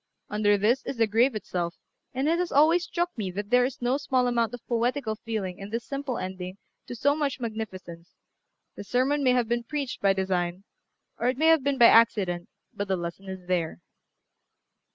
Under this is the grave itself; and it has always struck me that there is no small amount of poetical feeling in this simple ending to so much magnificence; the sermon may have been preached by design, or it may have been by accident, but the lesson is there.